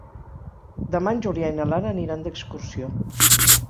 Demà en Julià i na Lara aniran d'excursió.